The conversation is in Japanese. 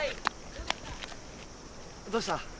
どうした？